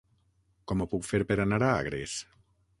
Com ho puc fer per anar a Agres?